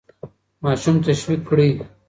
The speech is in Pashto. ماشوم تشویق کړئ.